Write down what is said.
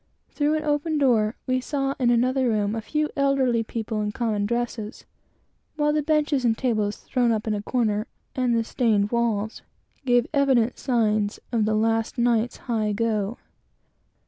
Through an open door we saw, in another room, a few elderly people in common dresses; while the benches and tables thrown up in a corner, and the stained walls, gave evident signs of the last night's "high go."